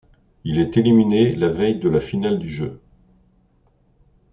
Il est éliminé la veille de la finale du jeu.